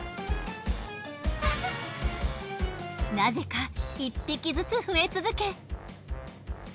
なぜか１匹ずつ増え続け。